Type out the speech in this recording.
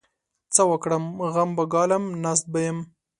څه وکړم؟! غم به ګالم؛ ناست به يم.